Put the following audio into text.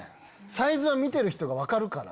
サイズは見てる人が分かるから。